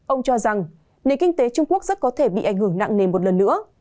ông cho rằng nền kinh tế trung quốc rất có thể bị ảnh hưởng nặng nề một lần nữa